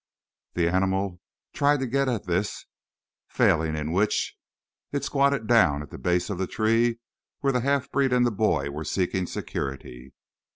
The animal tried to get at this, failing in which it squatted down at the base of the tree where the half breed and the boy were seeking security.